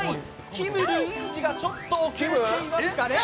きむ・ルイージがちょっと遅れてますかね。